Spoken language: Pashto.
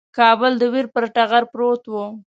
کابل د ویر پر ټغر پروت وو.